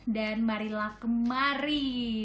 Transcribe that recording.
dan marilah kemari